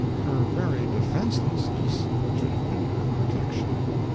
Her very defenselessness should have been her protection.